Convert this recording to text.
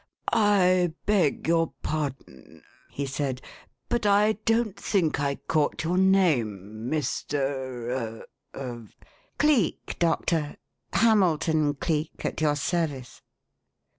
"I beg your pardon," he said, "but I don't think I caught your name, Mr. er er " "Cleek, Doctor; Hamilton Cleek, at your service."